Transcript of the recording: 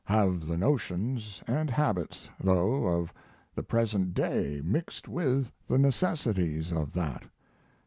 Have the notions and habits, though, of the present day mixed with the necessities of that.